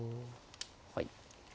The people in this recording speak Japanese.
はい。